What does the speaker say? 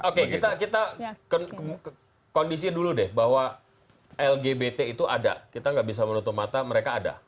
oke kita ke kondisi dulu deh bahwa lgbt itu ada kita nggak bisa menutup mata mereka ada